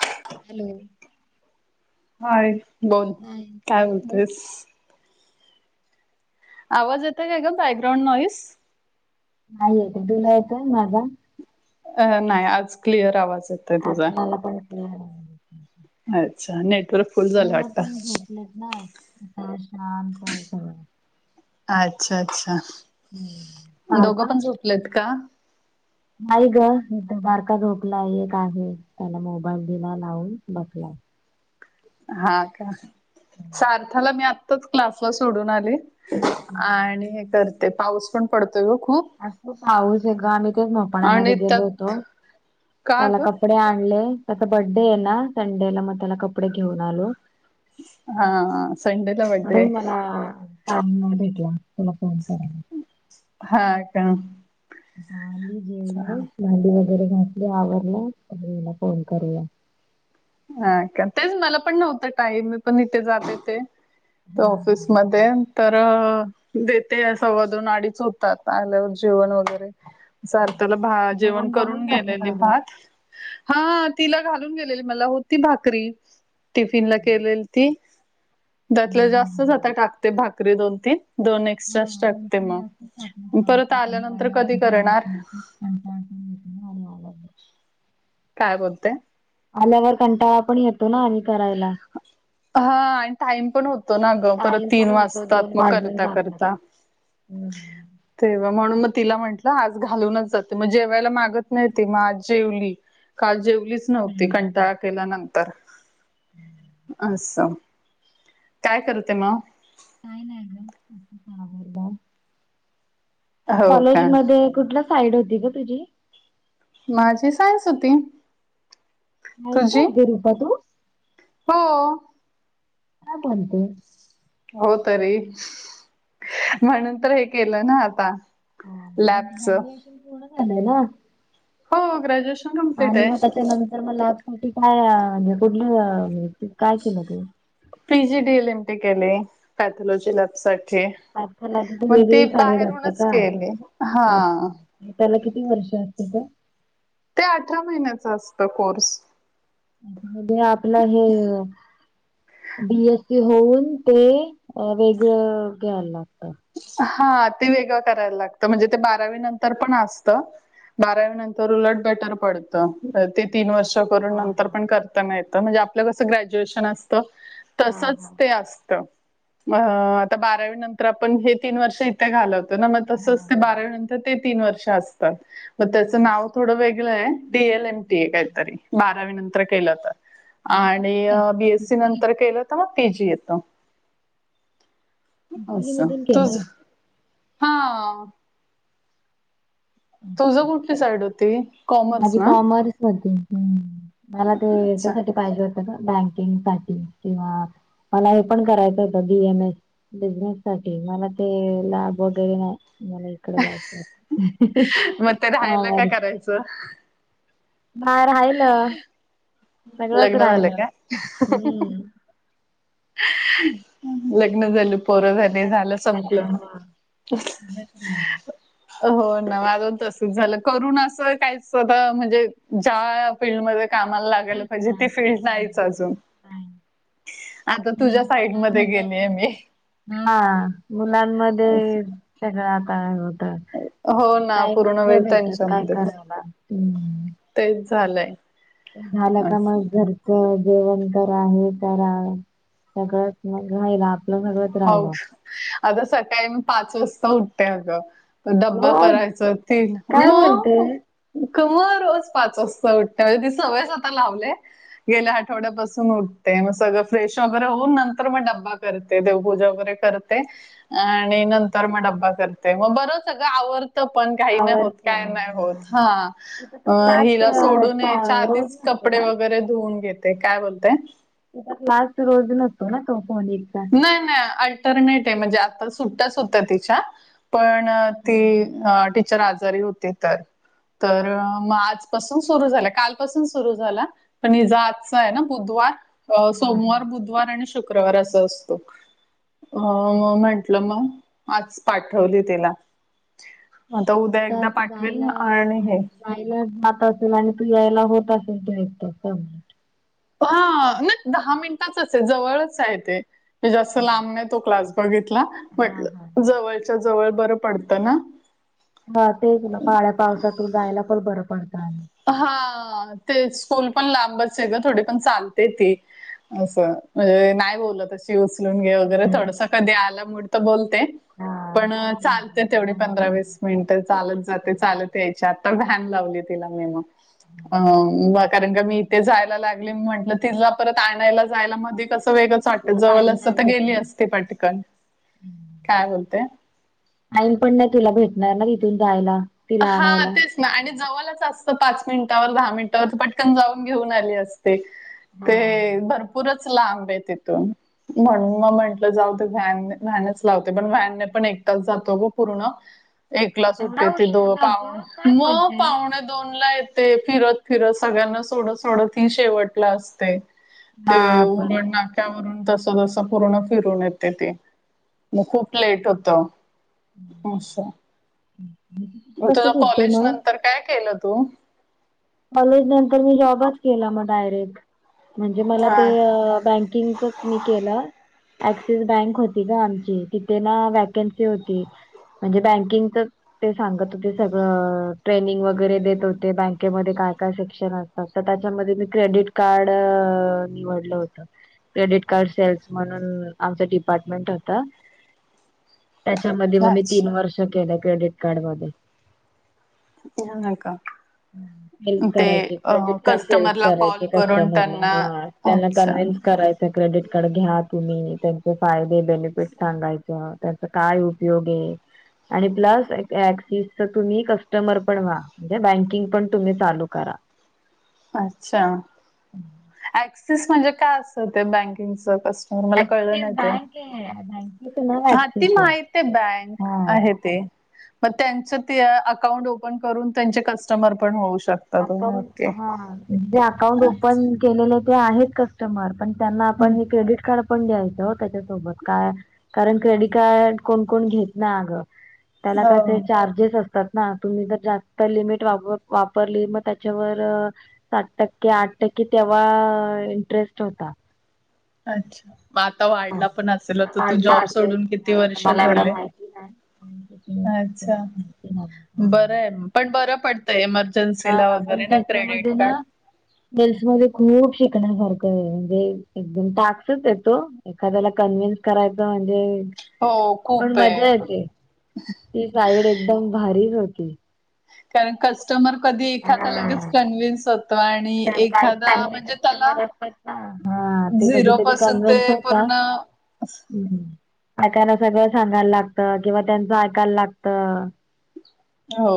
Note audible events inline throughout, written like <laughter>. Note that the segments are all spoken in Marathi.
ह हॅलो हाय बोल हाय. काय येस. बोलतेयस आवाज येत काय का बॅकग्राऊंड नॉईस नाही येत तुला येतंय माझा अ नाही आज क्लिअर आवाज य आज मला पण स् अच्छा नेटवर्क फुल झालं मुलं वाटतं पण झोपलेत ना मग शांत सगळं अच्छा अच्छा हम्म. बारका दोघं पण झोपलेत का नाही ग हे तर बारका झोपला एक आहे त्याला मोबाईल दिला लावून बसला हा का सार्थाला मी आत्ताच क्लासला सोडून आली आणि हे करते पाऊस पण पडतोय ओ खूप आज खुप पाऊस आहे ग आम्ही तेच मोपाण्यामध्ये आणि गेलो होतो त्यात का त्याला ग कपडे आणले त्याता बर्थडे आहे ना संडेला मग त्याला कपडे घेऊन आलो हा संडे ला बड्डे आणि मग भेटूया त्याला फोन कर हा का झाली आदी जेवले भांडी वगैरे घासली आवरलं म आता फोन करूया अ तेच मला पण नव्हतं टाईमी पण इथे जाते ते त हा हा हा ऑफिसमध्ये तर देते सव दोन अडीच होतात आल्यावर जेवण वगैरे सार्थाला जेवण बनून करून जाते गेलेली का ग? भात हा तिला घालून गेलेली मला होती भाकरी टिफिन ला केलेली ती त्यातलं जास्तच आता हम्म. टाकते भाकरी दोन तीन दोन एक्स्ट्रा हा दोन टाकते तीन तासच टाकून मग परत ठेवायचं पाणी आल्यानंतर आल्यावर कधी जमत करणार नाही कंटाळा पण येतो ना आल्यावर काय बोलते आल्यावर कंटाळा पण येतो ना आणि करायला हा आणि टाइम पण होतो ना अगं परत टाइम पण तीन होतो वाजतात मग करता करता हम् तेव्हा म्हणून मग तिला म्हंटलं आज घालूनच जाते मग जेवायला मागत नाही ते मग आज जेवली काल जेवलीच नव्हती कंटाळा केल्यानंतर हम् अस काय करते मग का नाही हो कॉलेज का मध्ये कुठला साईड होती ग तुझी माझी सायन्स होती आयटीआयला हुता तू हा का बणते हो तरी म्हणून तर हे केलं ना आता मग लॅबच. ग्रॅज्युएशन पूर्ण झालं ना? हो ग्रॅज्युएशन कम्प्लीट आणि आहे मग त्याच्यानंतर मग लॅब साठी काय म्हणजे कुठलं काय केलं तू? P G D L M T केली पॅथोलॉजी लॅबसाठी. पॅथॉलॉजी ची वेगळी साईड असते का? केली हा त्याला किती वर्ष असते मग? ते अठरा महिन्याच असतं कोर्स. म्हणजे आपलं हे. बीएस सी होऊन, ते वेगळं घ्याला लागतं. हा ते वेगळं करायला लागतं म्हणजे ते बारावी नंतर पण असत. बारावी नंतर उलट बेटर पडतं. ते तीन वर्ष हा नंतर हा पण करताना येतं म्हणजे आपलं कस ग्रज्युएशन हा हा तसच ते असत. अ आता बारावी नंतर पण हे तीन वर्ष इथे घालवतो ना मग हा तसच ते हा. बारावीनंतर ते तीन वर्ष असतात. मग त्याचं नाव अच्छा थोडं वेगळं आहे. डी एल एम टी आहे काहीतरी. बारावी नंतर केलं तर. मग ते कुठून आणि केलं तू? बीएससी हुपली नंतर केलं तर मग पीजी येत. हुपली अस मधून केलं? तूच हा. तुझ कुठली साईड होती? कॉमर्स माझी ना? कॉमर्स होती. मला ते अच्छा. त्यासाठी पाहिजे होत का? बँकिंग साठी किंवा मला हे पण करायचं होतं बी एम एल. बिझनेस साठी. मला ते लॅब वगैरे नाही मला इकड जायचं मग ते राहायलं का कॉमर्स करायचं? हा राहिलं सगळंच लग्न झालं राहिलं. का? हम्म. लग्न झाल पोर झाली झालं संपलं. सगळंच राहिलं. हो ना अजून तसच झालं. करून असं काहीच आता म्हणजे ज्या फीलल्डमध्ये कामाला लागायला तेच ना. पाहिजे ती फील्ड हम्म. नाहीच अजून. काय. आता आणि तुझ्या साईडमध्ये मुलामध्ये. गेलीये मी. हा मुलांमध्ये सगळं आता हो ना, पूर्ण टाईमच नाही वेळ भेटत, काय त्यांच्यामध्येच. करायला्. तेच झालंय. झालं का असं. मग घर जेवण तर आहे करा सगळंच मग <unintelligible> हो. राहिलं. अगं सकाळी मी पाच वाजता उठते अगं. डब्बा करायच टेन मग. <unintelligible> रोज पाच वाजता उठते म्हणजे ती सवयच आता लावले गेल्या आठवड्यापासून उठते मग सगळं फ्रेश वगैरे होऊन नंतर मग डबबा करत देवपूजा वगैरे करते आणि नंतर मग डब्बा करते मग बर सगळं आव पण काही नाही होत आवरत काय नाही होत. हा तिथं तो क्लास हिला सोडून यायच्या रोज आधीच नसतो कपडे ना? वगैरे धुवून घेते. काय बोलतेय? क्लास रोज नसतो ना तो कॉलेजचा. नाही नाही. अल्टरनेट आहे म्हणजे आ सुट्टाच होत तिच्या पण ती हा अ टीचर आजारी होती तर तर मग आजपासून सुरू झाला कालपासून सुरू झाला. पण हिजा आजच आहे. ना बुधवार. हा. सोमवार, बुधवार आणि शुक्रवार असं असतो. अ म म्हंटलं मग आज पाठवली तिला. आता उद्या एकदा तिथं जायला पाठवेल आणि हे जायला जात असेल आणि तू यायला होत असेल ते <unintelligible> ह नाही दहा मिनिटाचच आहे जवळच आहे ते जास्त लांब नाही तो क्लास. बघितला हा हा. पटल जवळच्या जवळ बरं पडतं ना. हा तेच ना पाळ्या पावसातून जायला पण बरं पडतं. हा ते स्कूल पण लांबच आहे ग थोडी पण चालते ते. असं म्हणजे नाही बोललं त उचलून घे वगैरे थोडस हम्म. कधी आला म तर बोलते हा. पण चालते तेवढी पंधरा वीस मिनिट चालत जाते चालत यायची आता व्यान लावली तिला मी मग. अ कारण का मी ते जायला लागले म्हटलं तिला परत आणायला जायला मध्ये कसं वेग चाटत परत जवळ आईन असतं नाही तर गेली भेटणार. असते पटकन, काय बोलते? टाईम पण नाही तिला भेटणार ना तिथून जायला. तिला हा आणायला. तेच ना आणि जवळच असतं पाच मिनिटावर दहा मिनिटावर तर पटकन जाऊन घेऊन आली अस ते हा ते भरपूरच लांब आहे तिथून. म्हणून मग म्हटलं जाऊ ते व्हॅन व्हॅनच लावते पण व्हॅनने पण एक तास जातो ग पूर्ण. <inaudible> एकला सुट्टी एवढा ती दो उशीर जातो पाहण काय मग बोलते. पाहुणे दोन ला य ते फिरत फिरत सगळ्यांना सोडत सोडत ही शेवटला असते. ते <unintelligible> बापरे! ना <unintelligible> तस पूर्ण फिरून येते ती मग खूप लेट होत. अच्छा. कस सुटते मग? नंतर काय केलं तू? कॉलेज नंतर मी जॉबच केला मग डायरेक्ट म्हणजे मला हा ते बँकिंगच मी केलं ऍक्सिस बँक होती ना आमची तिथे ना वॅकन्सी होती. म्हणजे बँकिंगच ते सांगत होते सगळं ट्रेनिंग वगैरे देत होते बँ काय काय सेक्शन असतात तर त्याच्यामध्ये मी क्रेडिट कार्ड निवडलं होत. क्रेडिट कार्ड सेल्स म्हणून आमच डिपार्टमेंट होत. त्याच्यामध्ये मग मी तीन अच्छा वर्ष केलं क्रेडिट कार्ड मध्ये. <unintelligible> का <inaudible> हेल्प ते करायचे क्रेडिट कार्ड सेल्स कस्टमरला करायचे कॉल करून कस्टमरला त्यांना हा त्यांना अच्छा कन्व्हन्स कराय क्रेडिट कार्ड घ्या तुम्ही त्यांचे फायदे बेनिफिट सांगायच त्याचा काय उपयोग ये. आणि प्लस क्सिसच तुम्ही कस्टमर पण व्हा म्हणजे बँकिंग पण तुम्ही चालू करा. अच्छा ऍक्सिस म्हणजे काय अस ते बँकिंगच कस मला कळलं ऍक्सिस नाही बँक आहे बँकेचं नाव ह ती ऍक्सिस माहित आहे बँक हा आहेत. ते मग त्यांच ते अकाउंट ओपन करून त्यांचे कस्टमर पण होऊ शक अकाउंट ह जे अकाउंट ओपन केलेले ते आहे क <unintelligible> त्यांना आपण क्रेड कार्ड पण द्यायचं त्याच्यासोबत का कारण क्रेडिट कार्ड कोण कोण घेत ना अगं. त्याला कसे हो चार्जेस असतात ना तुम्ही ज जास्त लिमिट वाप वाप वापरली मग त्याच्यावर सात टक्के, आठ टक्के तेव्हा इंटरेस्ट होता. अच्छा म आता वाढला पण असेल तर तू वाढला जॉब असेल सोडून किती वर्ष झाले. आणि किती हे. अच्छा बरं आहे पण बरं पडतंय मग. हा जसेला वगैरे ना क्रेडिट कार्ड. मेल्स मध्ये खूप शिकण्यासारखं आहे म्हणजे एकदम टास्सच येतो. एखाद्याला कन्व्हिन्स करायच म्हणजे. हो पण खूप आहे. मज्जा येते ती साईड एकदम भारीच होती. कार कस्टमर कधी एखादा लगेच कन्व्हन्स होतो आणि. का काही एखादा चांगले म्हणजे त्याला कस्टमर असतात ना हा ते झिरो कधीतरी पासून ते कन्व्हिन्स होता. पूर्ण हो हम यकायना सगळं सांगायला लागत किंवा त्यांचं ऐकायला लागत. हो,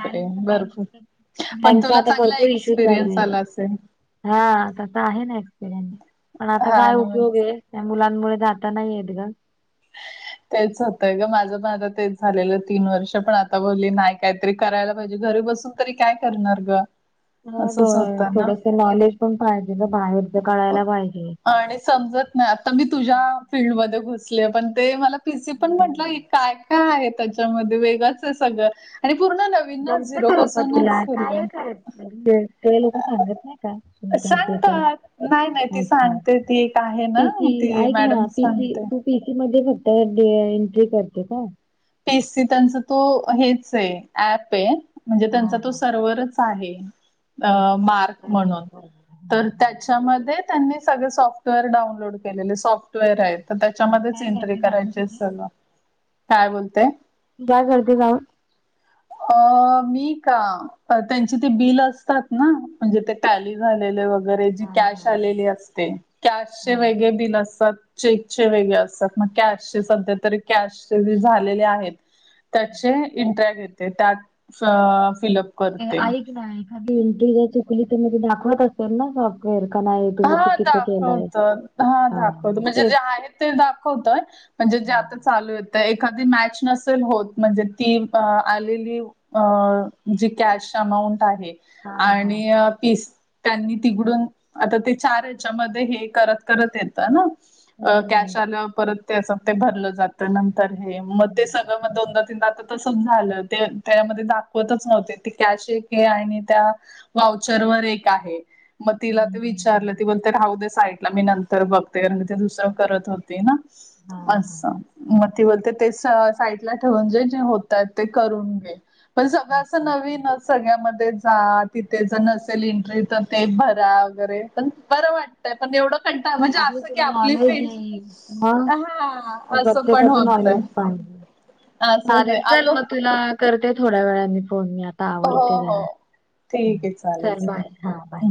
ह भरपूर <inaudible> पण बँकचा तुला आता चांगला भरपूर इशू एक्सपिरियन्स चालूय हाय. आला असेल. हा आता तर आहे ना एक्सपिरियन्स पण आता हा काय ना मग उपयोग आहे. त्या मुलांमुळे जाता नाहीयेत ग. तेच होतय ग माझं माझं तेच झालेलं तीन वर्ष पण आता बोलली नाही काहीतरी करायला पाहिजे घरी बसून. तरी काय करणार ग. मग असंच होतं ना थोडस नॉलेज पण पाहिजे ना बाहेरच कळायला पाहिजे. आणि समजत. नाही आता मी तुझ्या फीलल्डमध्ये घुसले पण ते मला पीसी पण म्हटलं की काय. काय आहे त्याच्यामध्ये वेगच आहे सगळं आणि पूर्ण नवि ''--'' जमत का रुपा तुला काय काय करायत ते लोक सांगत नाही का. करते <unintelligible> सांगतात नाही नाही आप ती अच्छा सांगते ती एक आहे ना पीसी ती ऐक मॅडम ना पीसी सांगते खूप पीसी मध्ये फक्त ते एंट्री करते का. पीसी त्यांचा तो हेच आहे ऍप आहे म्हणजे हा त्यांचा तो हा सर्वरच. आहे अ त्यांच्या मार्क स्वतःच असेल म्हणून. बरोबर. तर त्याच्यामध्ये त्यांनी सगळे सॉफ्टवेअर डाउनलोड केलेले सॉफ्ट''--'' वेअर तर मग तू त्याच्यामध्येच काय एंट्री करते जाऊन करायची तिथे असते ग काय बोलते. काय करती जाऊन. अ मी का. त्यांची ते बिल असतात ना म्हणजे ते टॅली झालेले वगैर. करायची हा हा कॅश हा आलेली असते कॅशचे हा. वेगळे बिल असतात. चेकचे वेगळे असतात मग कॅशचे सध्या तरी कॅशचे जे झालेले आहेत. त्याचे इंटरॅक्ट घेते त्यात फिलप. ऐक ना एखादी एंट्री जर चुकली तर म ते दाखवत असेल ना ग. हा दाखवत हा दाखवत म्हणजे जे तेच आहे ते दाखवतय. म्हणजे जे हा आता चालू येतं एखादी मॅच नसेल होत म्हणजे ती अ आलेली. अ जी कॅश अमाऊंट आहे. हा हा. आणि पिस त्यांनी तिकडून. आता ते चार ह्याच्यामध्ये हे करत करत येतं ना हं, हं, कॅश आला परत. त्याचं ते भरलं जातं नंतर हे मग ते हं, सगळं मग दोनदा तीन आत. तसच झालं ते त्यामध्ये दाखवतच नव्हते ते कॅशे एक हे आहे आणि त्या. वाहूचर वर एक आहे मग तिला ते हं, हं, विचारलं ती हं. बोलते थांब. राहूदे साईड मी नंतर बघते कारण ते दुसरं करत होते ना हां, हां. असं म ''--'' ती बोलते ते सा साईडला ठेवून जे जे होताय ते करून घे. पण सगळं असं अच्छा, अच्छा. नवीन सगळ्या मधे जा तिथे जर नसेल एंट्री तर ते भरा वगैरे पण बरं वाट तय पण एवढ कंटा म्हणजे असं की तुला आपली नॉलेज फ्रेंड येईल. मग हा असं पण होतय. पाणी असंच आहे <unintelligible> चल अगं म तुला करते थोड्या वेळानी फोन मी आ आता हो आवरते हो जरा, ठीक आहे चालेल चल बाय चालेल हा बाय.